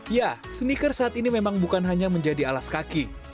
ya sneaker saat ini memang bukan hanya menjadi alas kaki